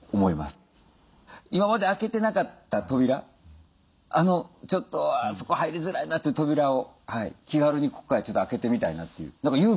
今まで開けてなかった扉ちょっとあそこ入りづらいなという扉を気軽にここからちょっと開けてみたいなという勇気をもらいました。